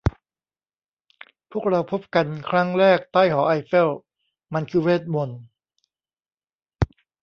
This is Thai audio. พวกเราพบกันครั้งแรกใต้หอไอเฟล มันคือเวทมนตร์